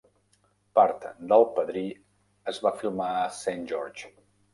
Part d'"El padrí" es va filmar a Saint George.